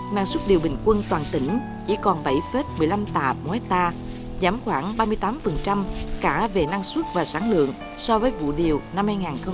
năng suất điều bình quân toàn tỉnh chỉ còn bảy một mươi năm tạ một hectare giảm khoảng ba mươi tám cả về năng suất và sản lượng so với vụ điều năm hai nghìn một mươi tám